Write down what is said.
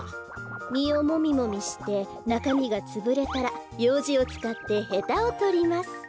みをもみもみしてなかみがつぶれたらようじをつかってヘタをとります。